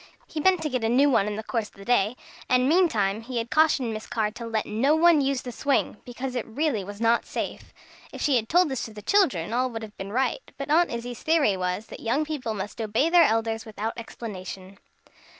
He meant to get a new one in the course of the day, and, meantime, he had cautioned Miss Carr to let no one use the swing, because it really was not safe. If she had told this to the children, all would have been right; but Aunt Izzie's theory was, that young people must obey their elders without explanation.